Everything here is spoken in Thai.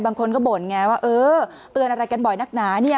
บางคนก็บ่นไงว่าเออเตือนอะไรกันบ่อยนักหนาเนี่ย